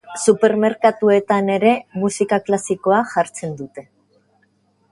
Supermerkatuetan ere, musika klasikoa jartzen dute.